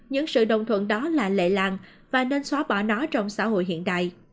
những sự đồng thuận đó là lệ làng và nên xóa bỏ nó trong xã hội hiện đại